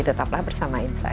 tetaplah bersama insight